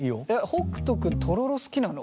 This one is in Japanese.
北斗君とろろ好きなの？